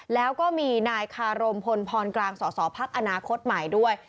แล้วก็มีนายขารมพลพกสภพอคใหม่ด้วย